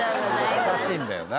優しいんだよな。